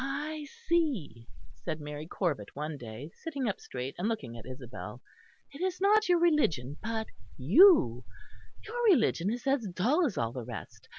"I see," said Mary Corbet one day, sitting up straight and looking at Isabel. "It is not your religion but you; your religion is as dull as all the rest.